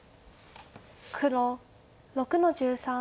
黒６の十三。